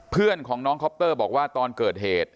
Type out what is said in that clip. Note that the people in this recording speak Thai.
เพื่อนของน้องคอปเตอร์บอกว่าตอนเกิดเหตุ